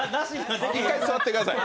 １回座ってください。